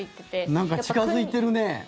なんか近付いてるね。